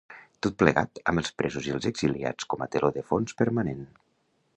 Tot plegat, amb els presos i els exiliats com a teló de fons permanent.